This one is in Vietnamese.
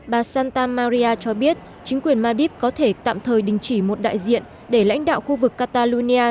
bà santa maria cho biết chính quyền madib có thể tạm thời đình chỉ một đại diện để lãnh đạo khu vực catalonia